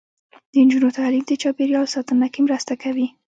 د نجونو تعلیم د چاپیریال ساتنه کې مرسته کوي.